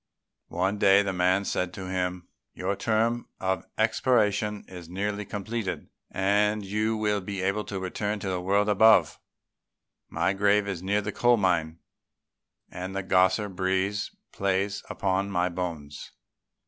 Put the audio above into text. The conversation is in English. One day the old man said to him, "Your term of expiation is nearly completed, and you will be able to return to the world above. My grave is near the coal mine, and the grosser breeze plays upon my bones.